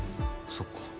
そっか。